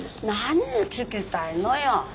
何聞きたいのよ？